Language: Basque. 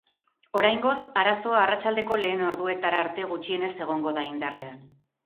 Oraingoz, arazoa arratsaldeko lehen orduetara arte gutxienez egongo da indarrean.